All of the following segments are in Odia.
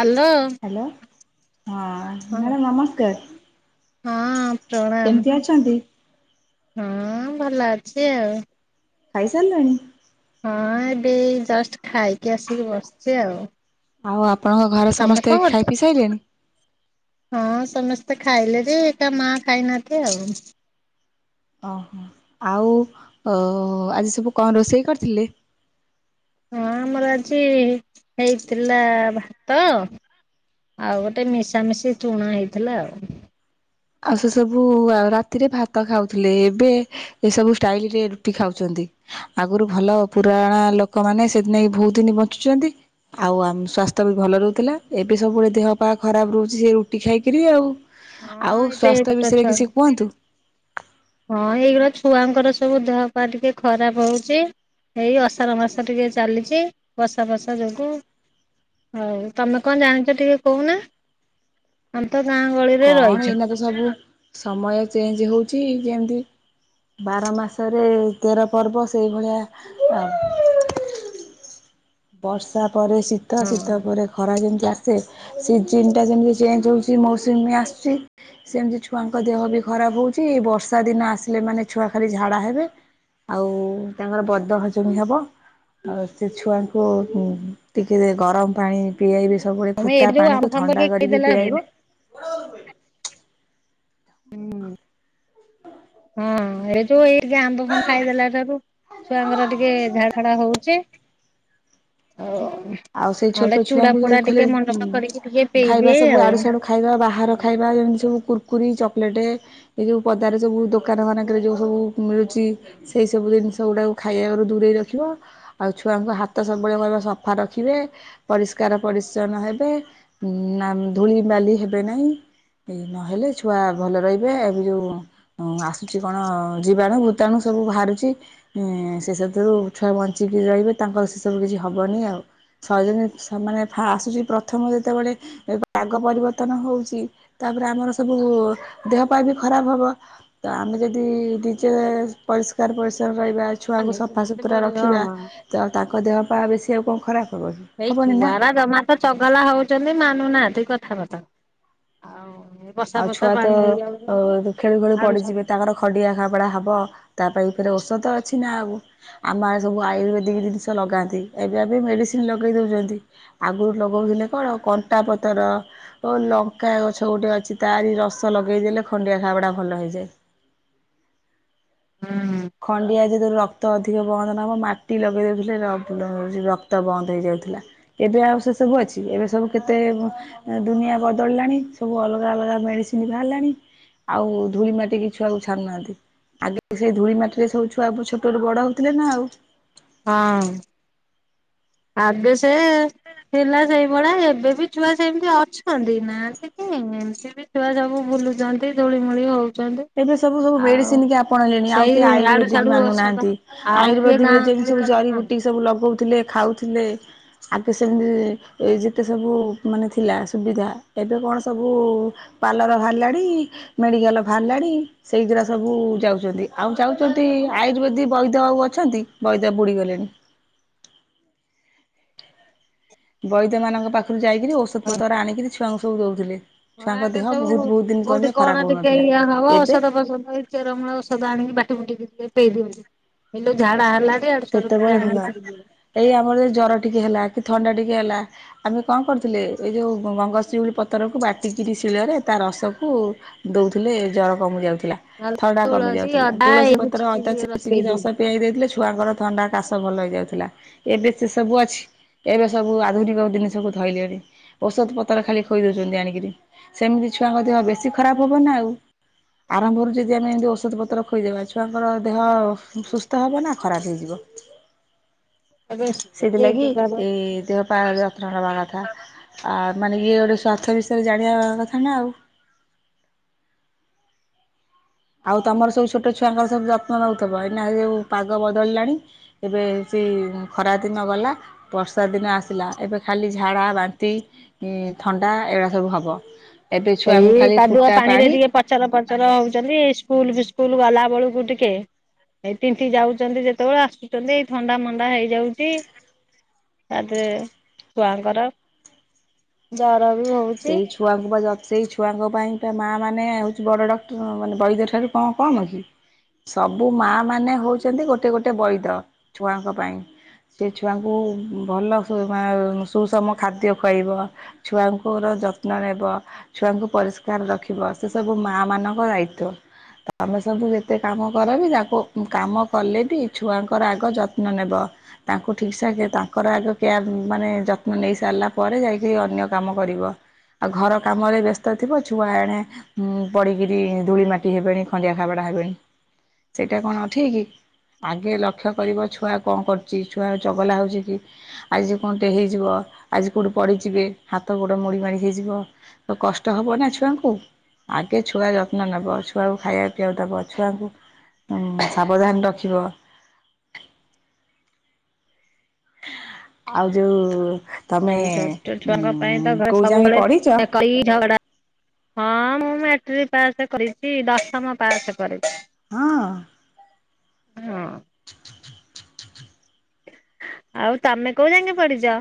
ହ୍ୟାଲୋ। ହ୍ୟାଲୋ ହଁ ହଁ ମ୍ୟାଡ଼ାମ ନମସ୍କାର। ହଁ ପ୍ରଣାମ। କେମିତି ଅଛନ୍ତି? ହଁ ଭଲ ଅଛି ଆଉ। ଖାଇ ସାରିଲଣି? ହଁ ଏବେ ଜଷ୍ଟ ଖାଇକି ଆସିକି ବସିଛି ଆଉ। ଆଉ ଆପଣଙ୍କ ଘରେ ତମେ ସମସ୍ତେ କଣ କରୁଛ? ଖାଇପି ସାଇଲେଣି? ହଁ ସମସ୍ତେ ଖାଇଲେ ଏକା ମା ଖାଇନାହାନ୍ତି ଆଉ। ଓହୋ ଆଉ ଅ ଆଜି ସବୁ କଣ ରୋଷେଇ କରିଥିଲେ? ହଁ ଆମର ଆଜି ହେଇଥିଲା ଭାତ ଆଉ ଗୋଟେ ମିଶାମିଶି ତୁଣ ହେଇଥିଲା ଆଉ। ଆଉ ସେ ସବୁ ଉ ରାତିରେ ଭାତ ଖାଉଥିଲେ ଏବେ ଏସବୁ ଷ୍ଟାଇଲ ରେ ରୁଟି ଖାଉଛନ୍ତି। ଆଗରୁ ଭଲ ପୁରଣା ଲୋକ ମାନ ସେଇଥିନାକି ବହୁତ ଦିନ ବଞ୍ଚୁଛନ୍ତି ଆଉ ଆମ ସ୍ଵାସ୍ଥ୍ୟ ବି ଭଲ ରହୁଥିଲା ଏବେ ସବୁବେଳେ ଦେହପା ଖରାପ ରହୁଛି ସେ ରୁଟି ଖାଇକିରି ଆଉ। ହଁ ଆଉ ଏବେ ସ୍ଵାସ୍ଥ୍ୟ ଛୋଟ ବିଷୟରେ ଛୁଆ କିଛି କୁହନ୍ତୁ। ହଁ ଏଇଗୁଡ଼ା ଛୁଆଙ୍କର ସବୁ ଦେହ ପା ଟିକେ ଖରାପ ହଉଛି। ଏଇ ଅଷାଢ଼ ମାସ ଟିକେ ଚାଲିଛି ବର୍ଷା ଫର୍ଶା ଯୋଗୁ। ହଉ ତମେ କଣ ଜାଣିଛ ଟିକେ କହୁନା? ତ ଗାଁ ଗହଳିରେ କଣ ରହିଛ ଏଇନା ତ ସବୁ ସମୟ ଚେଞ୍ଜ ହେଉଛି ଯେମତି ବାର ମାସରେ ତେର ପର୍ବ ସେଇଭଳିଆ ଆଉ ବର୍ଷା ପରେ ଶୀତ, ହଁ ଶୀତ ପରେ ଖରା, ଯେମିତି ଆ ସେ, ସିଜିନି ଟା ଯେମିତି ଚେଞ୍ଜ ହଉଛି ମୌସୁମୀ ଆସୁଛି, ସେମତି ଛୁଆଙ୍କ ଦେହ ବି ଖରା ଖରାପ ହଉଛି, ଏଇ ବର୍ଷା ଦିନ ଆସିଲେ ମାନେ ଛୁଆ ଖାଲି ଝାଡା ହେବେ ଆଉ ତାଙ୍କର ବଦହଜମି ହେବ। ଆଉ ସେ ଛୁଆଙ୍କୁ ହୁଁ ହୁଁ। ଟିକେ ଗରମ ପାଣି ପିଆଇବେ ସ ସବୁବେଳେ ତମେ ଫୁଟା ଏଠି ଯୋଉ ଆମ୍ବ ପାଣିକୁ ଫାମ୍ବ ଥଣ୍ଡା ଟିକେ କରିକି ଖାଇଦେଲାରୁ ପିଆଇବ [inaudible] ହଁ ଏଇ ଯୋଉ ଏଇ ଟିକେ ଆମ୍ବ ଫାମ୍ୱ ଖାଇଦେଲା ଠାରୁ ଛୁଆଙ୍କର ଟିକେ ଝାଡ଼ା ଫାଡା ହଉଛି ଆଉ ଆଉ ସେଇ ନହେଲେ ଚୁଡା ଛୋଟଛୁଆଙ୍କୁ ଫୁଡା ଯୋଉ ଖାଲି ଟିକେ ମଣ୍ଡନ କରିକି ଟିକେ ଖାଇବା ପିଇଦିଏ ସବୁ ଆଉ। ଆଡ଼ୁସାଡୁ ଖାଇବା ବାହାର ଖାଇବା ଯେମିତି ସବୁ କୁର କୁରୀ, ଚକଲେଟେ, ଏ ଯୋଉ ପଦାରେ ସବୁ ଦୋକାନ ମାନଙ୍କରେ ଯୋଉ ସବୁ ମିଳୁଚି ସେଇସବୁ ଜିନି ଜିନିଷ ଗୁଡାକୁ ଖାଇଆରୁ ଦୂରେଇ ରଖିବ, ଆଉ ଛୁଆଙ୍କୁ ହାତ ସବୁବେଳେ କହିବ ସଫା ରଖିବେ, ପରିଷ୍କାର ପରିଚ୍ଛନ୍ନ ହେବେ, ନା ଧୂଳି ବାଲି ହେବେନେଇଁ ଏଇ ନହେଲେ ଛୁଆ ଭଲ ରହିବେ, ଏବେ ଯୋଉ ଆସୁଛି କଣ ଜୀବାଣୁ, ଭୂତାଣୁ ସବୁ ସବୁ ବାହାରୁଛି, ସେସବୁଥିରୁ ଛୁଆ ବଞ୍ଚିକି ରହିବେ ତାଙ୍କର ସେସବୁ କିଛି ହବନି ଆଉ। ସଜନୀ ମାନେ ଆସୁଛି ପ୍ରଥମ ଯେତେବେଳେ ପାଗ ପରିବର୍ତ୍ତନ ହଉଛି, ତା ତାପରେ ଆମର ସବୁ ଦେହ ପା ବି ଖରାପ ହବ, ତ ଆମେ ଯଦି ନିଜେ ପରିଷ୍କା ଷ୍କାର ପରିଚ୍ଛନ୍ନ ରହିବା, ଛୁଆଙ୍କୁ ସଫାସୁତରା ହଁ ରଖିବା, ମା ତ ତାଙ୍କ ଦେହପା ବେଶୀ ଆଉ କଣ ଖରାପ ହବ କି? ହେଇ ଛୁଆ ହବନି ନା ଗୁରା ଜମା ତ ଚଗଲା ହଉଛନ୍ତି ମାନୁନାହାଁନ୍ତି କଥା ବାର୍ତ୍ତା ଆଉ ବର୍ଷା ଆଉ ବର୍ଷା ଛୁଆ ତ ପାଣି ଅ ହେଇଯାଉଛନ୍ତି ଖେଳୁ ଖେଳୁ ଆଡୁ ସା ପଡିଯିବେ ତାଙ୍କର ଖଣ୍ଡିଆ ଖାବଡା ହବ ତା ପାଇଁ ଫେରେ ଔଷଧ ଅଛି ନା ଆଉ। ଆମଆଡେ ସବୁ ଆୟୁର୍ବେଦିକ ଜିନିଷ ଲଗାନ୍ତି, ଏବେ ଏବେ ମେଡିସି ଲଗେଇ ଦଉଚନ୍ତି, ଆଗରୁ ଲଗଉଥିଲେ କଣ କଣ୍ଟା ପତର ଓ ଲଙ୍କାଗଛ ଗୋଟେ ଅଛି ତାରି ରସ ଲଗେଇଦେଲେ ଖଣ୍ଡିଆ ଖାବଡ଼ା ଭଲ ହେଇଯାଏ। ହୁଁ ହୁଁ। ଖଣ୍ଡିଆ ଯେତେବେଳେ ରକ୍ତ ଅଧିକ ବନ୍ଦ ନହବ ମାଟି ଲଗେଇ ଦେଉଥିଲେ ଲ ରକ୍ତ ବନ୍ଦ ହେଇଯାଉଥିଲା। ଏବେ ଆଉ ସେ ସବୁ ଅଛି, ଏବେ ସବୁ କେତେ ଦୁନିଆ ବଦଳିଲାଣି ସବୁ ଅଲଗା ଅଲଗା ମେଡ଼ିସିନ୍ ବାହାରିଲାଣି, ଆଉ ଧୂଳି ମାଟିକି ଛୁଆକୁ ଛାଡୁନାହାଁନ୍ତି। ଆଗେ ସେଇ ଧୂଳି ମାଟି ରେ ସବୁ ଛୁଆ ଛୋଟରୁ ବଡ ହଉଥିଲେ ନା ଆଉ। ହଁ। ଆଗେ ସେ ଥିଲା ସେଇଭଳିଆ ଏବେ ବିି ଛୁଆ ସେମିତି ଅଛନ୍ତି, ନାହାଁନ୍ତି କି ଏମିତି ବି ଛୁଆ ସବୁ ବୁଲୁଛନ୍ତି ଧୂଳି ମୁଳି ହଉ ଏବେ ସବୁ ସବୁ ମେଡିସିନ କି ଆପଣେଇଲେଣି ଆଉ ସେଇ କିଏ ଆଡୁ ଆୟୁର୍ବେଦିକ ସାଡୁ ଔଷଧ ମାନୁନାହାଁନ୍ତି। ଆଉ କିଏ ଗାଁ ଆୟୁର୍ବେଦିକରେ ଗହଳି ସବୁ କଥା ମାନୁ ଜରିିବୁଟି ସବୁ ଲଗଉଥିଲେ, ଖାଉଥି ଥିଲେ, ଆଗେ ସେମତି ଯେତେ ସବୁ ମାନେ ଥିଲା ସୁବିଧା ଏବେ କଣ ସବୁ ପାର୍ଲର ବାହାରିଲାଣି, ମେଡ଼ିକାଲ ବାହାରିଲାଣି, ସେଇଗିଡ଼ା ସବୁ ଯାଉଚନ୍ତି। ଆଉ ଯାଉଚନ୍ତି ଆୟୁର୍ବେଦିକ ବଇଦ ଆଉ ଅଛନ୍ତି? ବଇଦ ବୁଡି ଗଲେଣି। ବଇଦମାନଙ୍କ ପାଖରୁ ଯାଇକିରି ଔଷଧ ପତ୍ର ଆଣିକିରି ଛୁଆଙ୍କୁ ସବୁ ଦଉଥିଲେ। ହଁ ଛୁଆଙ୍କ ଆଗେ ଦେହ ବହୁତ ସବୁ ବହୁତ ଦିନ ପର୍ଯ୍ୟନ୍ତ କୋଉଠି ଖରାପ କଣ ଟିକେ ହଉନଥିଲା। ଇଏ ହବ ଏବେ ଔଷଧ ଫସଦ ହେଇ ଚେରମୂଳ ଔଷଧ ଆଣିକି ବାଟି ବୁଟିକି [unintelligible] ପେଇ ଦିଅନ୍ତି। ହେଇଲୋ ଝାଡ଼ା ହେଲା ସେତେବେଳେ ଭଲ ହବ। ଏଇ ଆମର ଏ ଜର ଟିକେ ହେଲା କି ଥଣ୍ଡା ଟିକେ ହେଲା ଆମେ କଣ କରୁଥିଲେ, ଏଇ ଯୋଉ ଗଙ୍ଗଶିଉଳି ପତରକୁ ବାଟିକିରି ଶିଳରେ ତାର ରସକୁ ଦଉଥିଲେ ଜର କମି ଯାଉଥି ନହେଲେ ଥଣ୍ଡା କମି ତୁଳସୀ ଯାଉଥିଲା ଅଦା ତୁଳସୀ ଏଇ ପତ୍ର ଅଦା ଛେଚିକି ପେଇ ରସ ଦଉଛନ୍ତି ପିଆଇ ଦେଇଥିଲେ ଛୁଆଙ୍କର ଥଣ୍ଡା କାଶ ଭଲ ହେଇଯାଉଥିଲା ଏବେ ସେ ସବୁ ଅଛି। ଏବେ ସବୁ ଆଧୁନିକ ଜିନିଷକୁୁ ଧଇଲେଣି ଔଷଧ ପତ୍ର ଖାଲି ଖୋଇ ଦଉଛନ୍ତି ଆଣିକିରି ସେମିତି ଛୁଆଙ୍କ ଦେହ ବେଶୀ ଖରାପ ହବ ନା ଆଉ। ଆରମ୍ଭରୁ ଯଦି ଆମେ ଏମିତି ଔଷଧ ପତ୍ର ଖୋଇଦବା ଛୁଆଙ୍କର ଦେହ ସୁସ୍ଥ ହବ ନା ଖରାପ ହେଇଯିବ? ଏବେ ସେ ଯେ ସେଥିଲାଗି ଯୋଗାଯୋଗ ଏ ଦେହ ପାହା ଯାତ୍ରା ଆ ମାନେ ଇଏ ଗୋଟେ ସ୍ଵାର୍ଥ ବିଷୟରେ ଜାଣିବା କଥା ନା ଆଉ। [unintelligible] ଆଉ ତମର ସବୁ ଛୋଟ ଛୁଆଙ୍କର ସବୁ ଯତ୍ନ ନଉଥିବ ଏଇନା ଯଉ ପାଗ ବଦଳିଲାଣି ଏବେ ଖରା ଦିନ ଗଲା ବର୍ଷା ଦିନ ଆସିଲା ଏବେ ଖାଲି ଝାଡ଼ା, ବାନ୍ତି ଥଣ୍ଡା ଏରାସବୁ ହବ। ଏବେ ଛୁଆଙ୍କୁ ଏଇ ଖାଲି କାଦୁଅ ଫୁଟା ପାଣି ରେ ଟିକେ ପଚର ପଚର ହଉଛନ୍ତି ସ୍କୁଲ ବିସ୍କୁଲ ଗଲା ବେଳକୁ ଟିକେ ଏଇ ତିନ୍ତି ଯାଉଛନ୍ତି ଯେତେବେଳେ ଆସୁଛନ୍ତି ଏଇ ଥଣ୍ଡା ମଣ୍ଡା ହେଇ ଯାଉଛି ତାପରେ ଛୁଆଙ୍କର ବି ହଉଛି ସେଇ ଛୁଆଙ୍କୁ ପା ସେଇ ଛୁଆଙ୍କ ପାଇଁ ବା ମାଆ ମାନ ହେଉଛି ବଡ଼ ଡକ୍ଟର ମାନେ ବୈଦ ଠାରୁ କଣ କମ୍ କି? ସବୁ ମା ମାନେ ହଉଛନ୍ତି ଗୋଟେ ଗୋଟେ ବୈଦ ଛୁଆଙ୍କ ପାଇଁ। ସେ ଛୁଆଙ୍କୁ ଭଲ ସୁଷମ ଖାଦ୍ୟ ଖୁଆଇବ ଛୁଆଙ୍କୁ କଅର ଯତ୍ନ ନେବ ଛୁଆଙ୍କୁ ପରିଷ୍କାର ରଖିବ ସେ ସବୁ ମାଆ ମାନଙ୍କ ଦାୟିତ୍ଵ। ତ ଆମେ ସବୁ ଯେତେ କାମ କରବି ତାକୁ କାମ କଲେ ବି ଛୁଆଙ୍କର ଆଗ ଯତ୍ନ ନେବ। ତାଙ୍କୁ ଠିକସେ ତାଙ୍କର ଆଗ ମାନେ ଯତ୍ନ ନେଇ ସାରିଲା ପରେ ଯାଇକି ଅନ୍ୟ କାମ କରିବ? ଆଉ ଘର କାମରେ ବ୍ୟସ୍ତ ଥିବ ଛୁଆ ଏଣେ ପଡିକିରି ଧୂଳି ମାଟି ହେବେଣି ଖଣ୍ଡିଆ ଖବା ଡା ସେଇଟା କଣ ଠିକ୍? ଆଗେ ଲକ୍ଷ୍ୟ କରିବ ଛୁଆ କଣ କରୁଛି ଛୁଆ ଚଗଲା ହଉଛି କି ଆଜି କଣ ଟେ ହେଇଯିବ? ଆଜି କୋଉଠି ପଡିଯିବେ ହାତ ଗୋଡ ମୋଡି ହେଇଯିବ ତ କଷ୍ଟ ହବ ନା ଛୁଆଙ୍କୁ। ଆଗେ ଛୁଆ ଯତ୍ନ ନବ ଛୁଆକୁ ଖାଇବାକୁ ପିଇବାକୁ ଦବ ଛୁଆଙ୍କୁ ଉଁ ସାବଧାନ ରଖିବ? ଆଉ ଯୋଉ ତମେ ଏଇ ଛୋଟ ଛୁଆଙ୍କ ପାଇଁ ତ କୋଉ ଯାଏଁ ସବୁବେଳେ ପଢ଼ିଛ? କରି, ଝଗଡା ହଁ ମୁଁ ମଟ୍ରିକ ପାସ କରିଛି ଦଶମ ପାସ କରିଛି। ହଁ। ହଁ। ଆଉ ତମେ କୋଉ ଯାଙ୍କେ ପଢିଛ?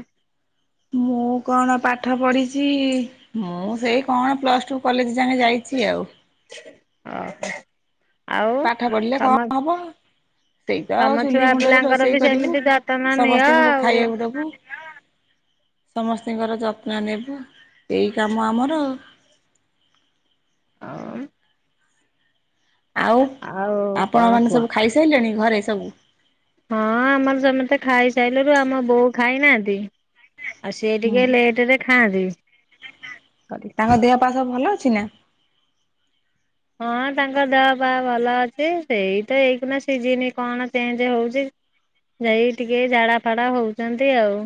ମୁଁ କଣ ପାଠ ପଢିଛି ମୁଁ ସେଇ କଣ ପ୍ଲସ ଟୁ କଲେଜ ଯାକେ ଯାଇ ଆଜି ଆଉ। ହଁ। ପାଠ ପଢିଲେ କଣ ହବ? ସେଇ ତ ତମ ଆଉ ସୁୁଲି ଛୁଆ ମୁଣ୍ଡରେ ପିଲାଙ୍କର ରୋଷେଇ ବି କରିବୁ ସେମିତି ଯତ୍ନ ନିଅ ସମସ୍ତଙ୍କୁ ଆଉ ଖାଇବାକୁ ଦବୁ। [inaudible] ସମସ୍ତିଙ୍କର ଯତ୍ନ ନେବୁ ଏଇ କାମ ଆମର। [unintelligible] ଆଉ ଆଉ କଣ ଆପଣମାନେ କୁହ? ସବୁ ଖାଇସାରିଲେଣି ଘରେ ସବୁ। ହଁ ଆମର ସମସ୍ତେ ଖାଇ ସାରିଲେଣି ଆମ ବୋଉ ଖାଇନାହାନ୍ତି। ଆଉ ସିଏ ହୁଁ ଟିକେ ଲେଟରେ ଖାଆନ୍ତି। କିଛି ନା ହଁ ତାଙ୍କ ଦେହ ପାହା ଭଲ ଅଛି ସେଇ ତ ଏଇନା ସିଜିିନ କଣ ଚେଞ୍ଜ ହଉଛି? ଯାଇ ଟିକେ ଝାଡା ଫାଡା ହଉଛନ୍ତି ଆଉ।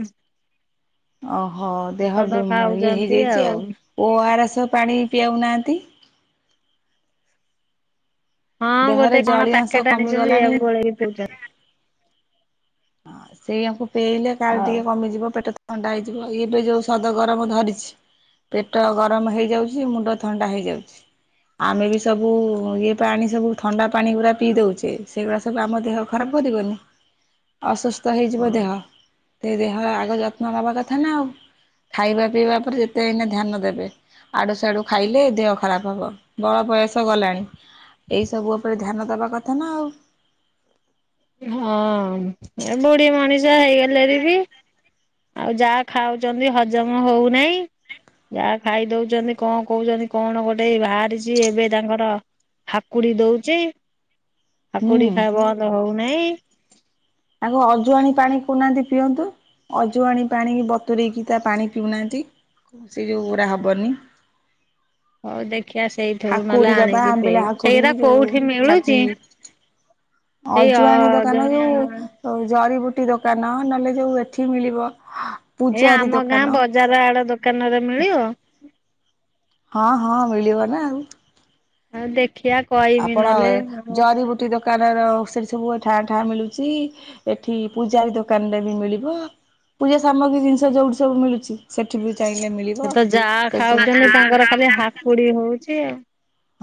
ଓହୋ ଦେହ ଔଷଧ ଇଏ ଖାଉଛନ୍ତି। ହେଇଯାଇଛି ଆଉ ଓ ଆର ଏସ ଧ ପାଣି ପିଆଉ ନାହାନ୍ତି। ହଁ ଦେହରେ ଗୋଟେ କଣ ଜଳୀୟ ଅଂଶ ପ୍ୟାକେଟ ଆଣିଛନ୍ତି କମିଗଲାଣି ଏଇଆକୁ ଗୋଳେଇକି ପିଉଛନ୍ତି। ହଁ ସେଇଆକୁ ପିଏଇଲେ କାଳେ ହଉ। ଟିକେ କମିଯିବ ପେଟ ତ୍ ଥଣ୍ଡା ହେଇଯିବ ଇଏବେ ଯୋଉ ସଦ ଗରମ ଧରିଛି। ପେଟ ଗରମ ହେଇଯାଉଛି ମୁଣ୍ଡ ଥଣ୍ଡା ହେଇଯାଉଛି ଆମେ ବି ତବୁ ଇଏ ପାଣି ସବୁ ଥଣ୍ଡା ପାଣି ଗୁରା ପିଇ ଦଉଛେ ସେଗୁଡ଼ା ସବୁ ଆମ ଦେହ ଖରାପ କରିବନି ଅସୁସ୍ ତ ହେଇଯିବ ଦେହ ତେ ଦେହ ଆଗ ଯତ୍ନ ନବା କଥା ନା ଆଉ। ଖାଇବା ପିଇବା ଉପରେ ଯେତେ ଏଇନା ଧ୍ୟାନ ଦେବେ। ଆଡ଼ୁ ସାଡ଼ୁ ଖାଇଲେ ଦେହ ଖରାପ ହବ ବଳ ବୟସ ଗଲାଣି। ଏଇ ସବୁ ଉପରେ ଧ୍ୟାନ ଦବା କଥା ନା ଆଉ। ହଁ ଏ ବୁଢୀ ମଣିଷ ହେଇଗଲେଣି ବି। ଆଉ ଯାହା ଖାଉଛନ୍ତି ହଜମ ହଉନାହିଁ। ଯାହା ଖାଇ ଦୋଉଛନ୍ତି କଣ କହୁଛନ୍ତି କଣ ଗୋଟେ ବାହାରିଛି ଏବେ ତାଙ୍କର ହାକୁଡ଼ି ଦୋଉଚି ହାକୁଡ଼ି ହୁଁ। ଖା ବନ୍ଦ ହୋଉନାଇଁ ଆଙ୍କୁ ଅଜୁଆଣି ପାଣି କହୁନାହାନ୍ତି ପିଅନ୍ତୁ। ଅଜୁଆଣି ପାଣି ବତୁରେଇକି ତା ପାଣି ପିଉନାହାନ୍ତି। ସେ ଯେଉରାହା ହବନି। ହୋଉ ଦେ ଖିଆ ସେଇଥିରୁ ନହେଲେ ହାକୁଡି ଦବା ଆଣିକି ଆମ୍ବିଳା ପେଇବୁ। ହାକୁଡି ସେଇରା ଯୋଉ କୋଉଠି ଛାତି ମିଳୁଚି? ଅଜୁଆଣୀ ଦୋକାନ ଯୋଉ ଜରିିବୁ ଟି ଦୋକାନ ନହେଲେ ଯୋଉ ଏଠି ମିଳିବ ଏ ପୂଜାରୀ ଆମ ଗାଁ ଦୋକାନ ବଜାର ଆଡ଼ ଦୋକାନରେ ମିଳିବ? ହଁ ହଁ ମିଳିବ ନା ଆଉ। ହଁ ଦେ ଆପଣ ଜରିବୁଟି ଦୋ କାନର ସେଠି ସବୁ ଠାଁ ଠାଁ ମିଳୁଛି ଏଠି ପୂଜାରୀ ଦୋକାନରେ ବି ମିଳିବ। ପୂଜା ସାମଗ୍ରୀ ଜିନିଷ ଯୋଉଠି ସବୁ ମିଳୁଚି। ସେ ତ ଯାହା ସବୁ ଖାଉଛନ୍ତି ତାଙ୍କର ଖାଲି ହାକୁଡ଼ି ହୋଉଚି ଆଉ।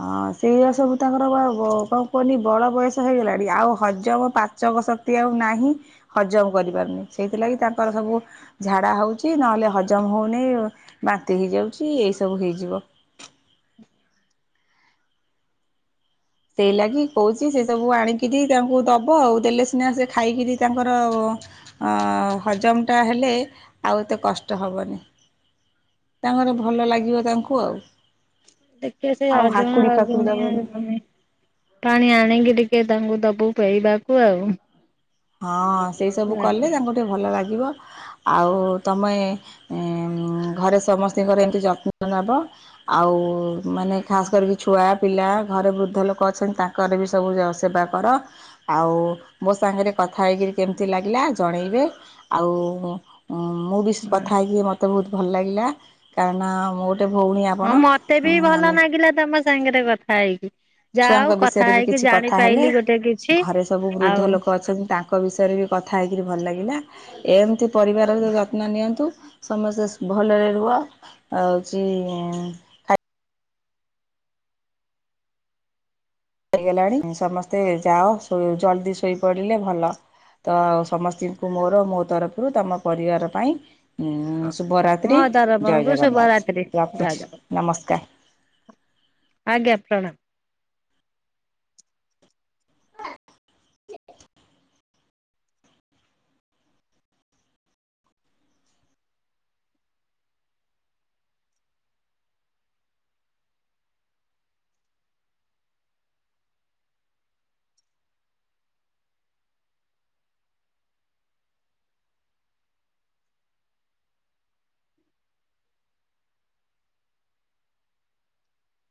ହଁ ସେଇଆ ସବୁ ତାଙ୍କର ବା ବ କଣ କୁହନି ବଳ ବୟସ ହେଇଗଲାଣି ଆଉ ହଜମ ପାଚ ଶକ୍ତି ଆଉ ନାହିଁ ହଜମ କରିପାରୁନି ସେଇଥିଲାଗି ତାଙ୍କର ସବୁ ଝାଡ଼ା ହୋଉଚି ନହଲେ ହ ଜମ ହୋଉନି ବାନ୍ତି ହେଇଯାଉଛି ଏଇ ସବୁ ହେଇଯିବ। ସେଇ ଲାଗି କହୁଛି ସେ ସବୁ ଆଣିକିରି ତାଙ୍କୁ ଦବ ଆଉ ଦେଲେ ସିନା ସେ ଖାଇକିରି ତାଙ୍କର ଅ ହଜମଟା ହେଲେ ଆଉ ଏତେ କଷ୍ଟ ହବନି। ତାଙ୍କର ଭଲ ଲାଗିବ ତାଙ୍କୁ ଆଉ। ଦେଖିଆ ସେ ଆଉ ହାକୁଡ଼ି ଅଜଣା ଫାକୁଡ଼ି ଯୁଣିଆ ଦବନି ଜମି। ପାଣି ଆଣିକି ଟିକେ ତାଙ୍କୁ ଦବୁ ପେଇବାକୁ ଆଉ। ହଁ ସେଇ ସବୁ କଲେ ତାଙ୍କୁ ଟିକେ ଭଲ ଲା ଗିବ ଆଉ ତମେ ଏଁ ଘରେ ସମସ୍ତଙ୍କର ଏମିତି ଯତ୍ନ ନବ। ଆଉ ମାନେ ଖାସ୍ କରିକି ଛୁଆ ପିଲା ଘରେ ବୃଦ୍ଧ ଲୋକ ଅଛନ୍ତି ତାଙ୍କର ବି ସବୁ ଜ ସେବା କର ଆଉ ମୋ ସାଙ୍ଗେରେ କଥା ହେଇକିରି କେମିତି ଲାଗିଲା ଜଣେଇବେ ଆଉ ମୁଁ ବି କଥା ହେଇକି ମତେ ବୋହୁତ୍ ଭଲ ଲାଗିଲା କାରଣ ମୋ ଗୋଟେ ଭଉଣୀ ଆପଣ ହଁ ମତେ ବି ଭଲ ଆମେ ନାଗିଲା ତମ ସାଙ୍ଗେରେ କଥା ହେଇକି। ଯାହା ହଉ ଛୁଆଙ୍କ କଥା ବିଷୟରେ ବି ହେଇକି କିଛି କଥା ହେଲେ। ଜାଣିପାଇଲି ଗୋଟେ କିଛି ଘରେ ସବୁ ବୃଦ୍ଧ ଆଉ ଲୋକ ଅଛନ୍ତି ତାଙ୍କ ବିଷୟରେ ବି କଥା ହେଇକିରି ଭଲ ଲାଗିଲା। ଏମିତି ପରିବାରର ଯତ୍ନ ନିଅନ୍ତୁ ସମସ୍ତେ ସ୍ ଭଲରେ ରୁହ ଆଉଚି ଖା ରିହେଲାଣି ସମସ୍ତେ ଯାଅ ସୋ ଜଲଦି ଶୋଇପଡିଲେ ଭଲ। ତ ଆଉ ସମସ୍ତିଙ୍କୁ ମୋର ମୋ ତରଫରୁ ତମ ପରିବାର ପାଇଁ ଉଁ ଶୁଭରାତ୍ରି ମୋ ଜୟ ତରଫକୁ ଜଗନ୍ନାଥ ଶୁଭରାତ୍ରି। ଯାଅ ରଖୁଛି ଯାଅ ନମସ୍କାର। ଆଜ୍ଞା ପ୍ରଣାମ।